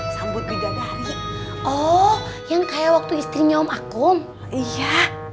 sambut bidang hari oh yang kayak waktu istrinya om akum iya